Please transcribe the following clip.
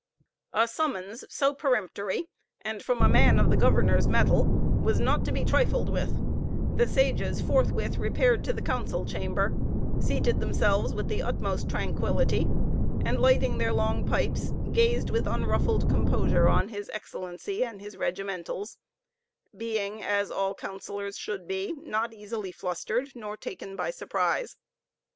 A summons so peremptory, and from a man of the governor's mettle, was not to be trifled with; the sages forthwith repaired to the council chamber, seated themselves with the utmost tranquillity, and lighting their long pipes, gazed with unruffled composure on his excellency and his regimentals; being, as all counsellors should be, not easily flustered, nor taken by surprise.